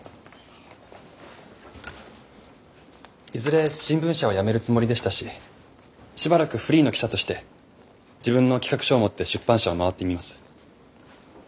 いずれ新聞社は辞めるつもりでしたししばらくフリーの記者として自分の企画書を持って出版社を回ってみます。